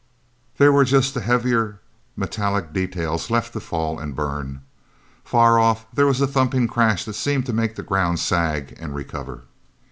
There were just the heavier metallic details left to fall and burn. Far off, there was a thumping crash that seemed to make the ground sag and recover.